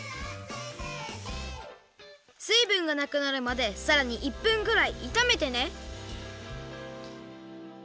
すいぶんがなくなるまでさらに１分ぐらいいためてね。